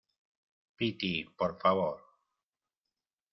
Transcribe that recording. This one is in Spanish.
piti, por favor.